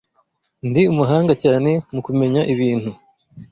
Ndi umuhanga cyane mu kumenya ibintu.